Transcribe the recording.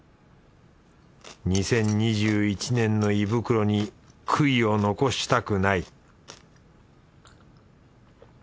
２０２１年の胃袋に悔いを残したくない